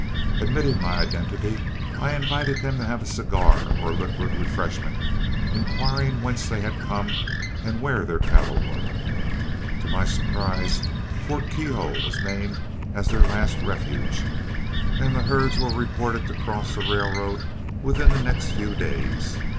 Admitting my identity, I invited them to have a cigar or liquid refreshment, inquiring whence they had come and where their cattle were. To my surprise, Fort Keogh was named as their last refuge, and the herds were reported to cross the railroad within the next few days.